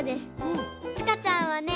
ちかちゃんはね